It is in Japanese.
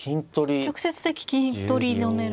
直接的金取りの狙いですね。